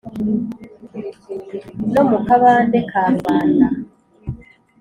no mu kabande ka rubanda